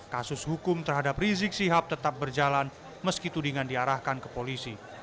kasus hukum terhadap rizik sihab tetap berjalan meski tudingan diarahkan ke polisi